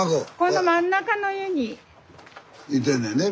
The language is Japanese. いてんねんね。